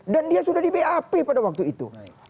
dan dia sudah di bap pada waktu itu